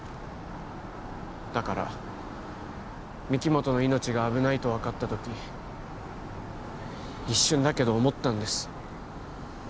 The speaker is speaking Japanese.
だから御木本の命が危ないと分かった時一瞬だけど思ったんです